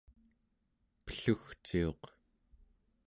pellugciuq